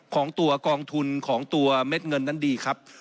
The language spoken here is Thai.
ของตัวกองทุนของตัวเม็ดเงินนั้นดีครับ